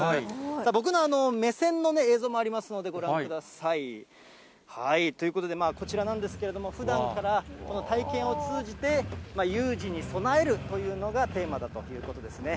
僕の目線の映像もありますので、ご覧ください。ということで、まあ、こちらなんですけれども、ふだんから、この体験を通じて、有事に備えるというのがテーマだということですね。